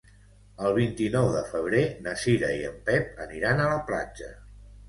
El vint-i-nou de febrer na Cira i en Pep aniran a la platja.